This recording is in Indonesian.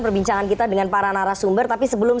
perbincangan kita dengan para narasumber tapi sebelum